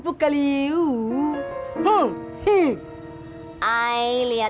ayah luka senhor